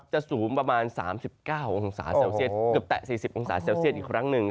สูงประมาณ๓๙องศาเซลเซียสเกือบแตะ๔๐องศาเซลเซียตอีกครั้งหนึ่ง